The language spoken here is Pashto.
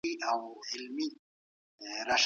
شپه وروسته له ماښامه راځي.